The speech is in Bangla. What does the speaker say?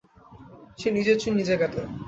সে নিজের চুল নিজে কাটে।